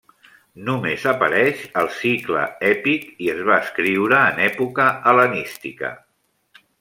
Només apareix al Cicle èpic, i es va escriure en època hel·lenística.